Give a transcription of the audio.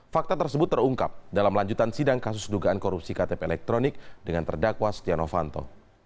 fakta tersebut terungkap dalam lanjutan sidang kasus dugaan korupsi ktp elektronik dengan terdakwa stiano fanto